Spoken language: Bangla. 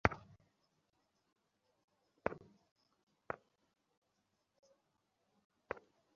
এতে দেশটির প্রতিযোগিতাপূর্ণ টেলিযোগাযোগ খাতে একীভূত অপারেটরটির শক্তিশালী বাজার অবস্থানও নিশ্চিত হবে।